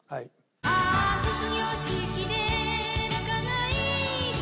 「ああ卒業式で泣かないと」